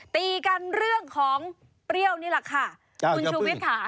ตีกันเรื่องของเปรี้ยวนี่แหละค่ะคุณชูวิทย์ค่ะ